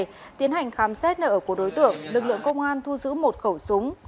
các lực lượng khám xét nợ của đối tượng lực lượng công an thu giữ một khẩu súng